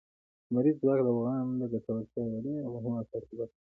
لمریز ځواک د افغانانو د ګټورتیا یوه ډېره مهمه او اساسي برخه ده.